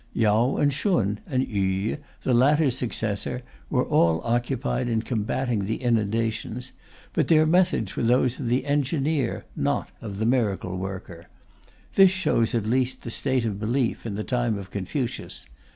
Yao and Shun, and Yü (the latter's successor), were all occupied in combating the inundations, but their methods were those of the engineer, not of the miracle worker. This shows, at least, the state of belief in the time of Confucius.